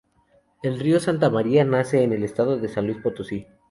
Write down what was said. El río Santa Maria nace en el Estado de San Luis Potosí.